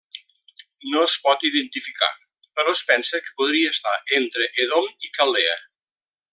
No es pot identificar però es pensa que podria estar entre Edom i Caldea.